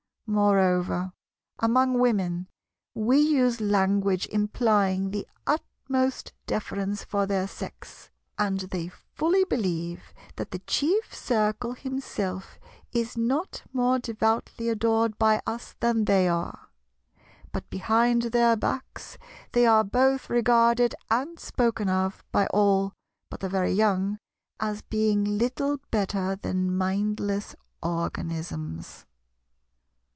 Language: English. Moreover, among Women, we use language implying the utmost deference for their Sex; and they fully believe that the Chief Circle Himself is not more devoutly adored by us than they are: but behind their backs they are both regarded and spoken of—by all but the very young—as being little better than "mindless organisms."